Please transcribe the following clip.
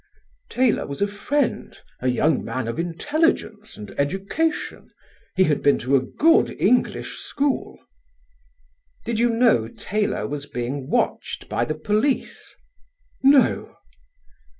"Taylor was a friend, a young man of intelligence and education: he had been to a good English school." "Did you know Taylor was being watched by the police?" "No."